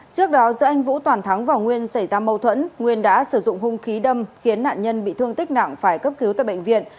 trước đó giữa anh vũ toàn thắng và nguyên xảy ra mâu thuẫn nguyên đã sử dụng hung khí đâm khiến nạn nhân bị thương tích nặng phải cấp cứu tại bệnh viện